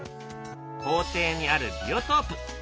校庭にあるビオトープ